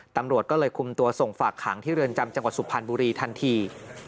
ตำรวจก็เลยคุมตัวส่งฝากขังที่เรือนจำจังหวัดสุพรรณบุรีทันที